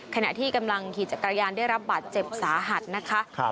ขณะที่กำลังขี่จักรยานได้รับบาดเจ็บสาหัสนะคะ